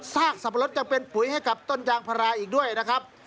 ซากสับปะรดจะเป็นผุยให้กับต้นยางพลาอีกด้วยนะครับ